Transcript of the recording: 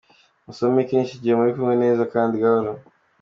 Musome kenshi igihe muri kumwe neza kandi gahoro.